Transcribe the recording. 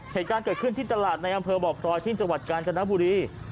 เหตุการณ์เกิดขึ้นที่ตลาดในอำเภอบ่อพลอยที่จังหวัดกาญจนบุรี